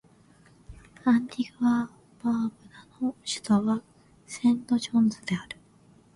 アンティグア・バーブーダの首都はセントジョンズである